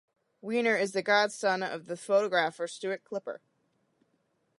Weiner is the godson of the photographer Stuart Klipper.